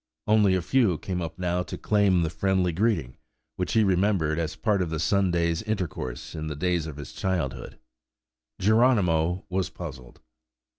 Only a few came up now to claim the friendly greeting, which he remembered as part of the Sunday's intercourse in the days of his childhood. Geronimo was puzzled.